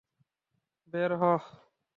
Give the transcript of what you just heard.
বের হ!